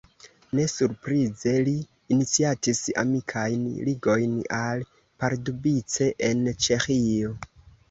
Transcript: Ne surprize li iniciatis amikajn ligojn al Pardubice en Ĉeĥio.